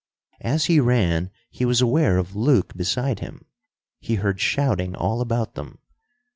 As he ran, he was aware of Luke beside him. He heard shouting all about them.